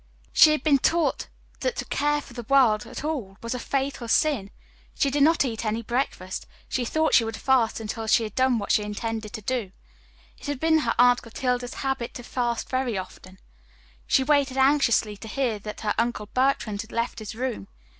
She had been taught that to care for the world at all was a fatal sin. She did not eat any breakfast. She thought she would fast until she had done what she intended to do. It had been her Aunt Clotilde's habit to fast very often. She waited anxiously to hear that her Uncle Bertrand had left his room.